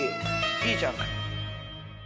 いいじゃない。